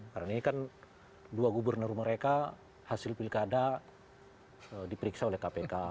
karena ini kan dua gubernur mereka hasil pilkada diperiksa oleh kpk